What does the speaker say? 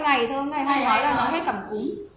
ngày hai ngói là nó hết cẳm cúm